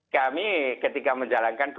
kami ketika menjalankan